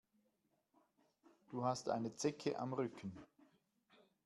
Du hast eine Zecke am Rücken.